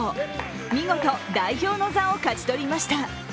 見事代表の座を勝ち取りました。